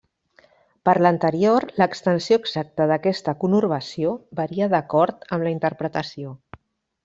Per l'anterior, l'extensió exacta d'aquesta conurbació varia d'acord amb la interpretació.